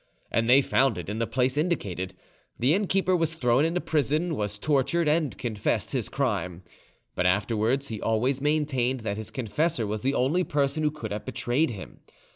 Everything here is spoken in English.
And they found it in the place indicated. The innkeeper was thrown into prison, was tortured, and confessed his crime. But afterwards he always maintained that his confessor was the only person who could have betrayed him.